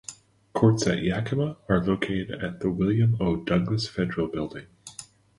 Courts at Yakima are located at the William O. Douglas Federal Building.